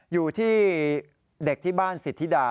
อยู่ที่เด็กที่บ้านสิทธิดา